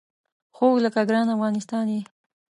خوږ لکه ګران افغانستان یې